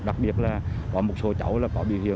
đặc biệt là có một số cháu là có biểu hiện